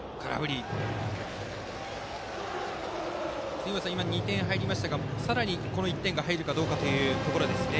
杉本さん、今２点入りましたがさらに、１点が入るかどうかというところですね。